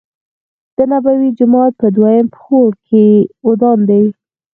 دنبوی جومات په دویم پوړ کې ودان دی.